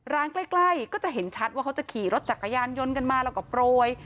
ใกล้ก็จะเห็นชัดว่าเขาจะขี่รถจักรยานยนต์กันมาแล้วก็โปรย